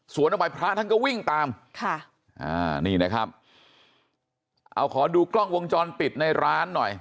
ออกไปพระท่านก็วิ่งตามค่ะอ่านี่นะครับเอาขอดูกล้องวงจรปิดในร้านหน่อย